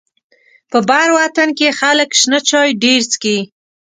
په بر وطن کې خلک شنه چای ډيره څکي.